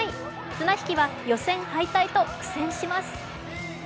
綱引きは予選敗退と苦戦します。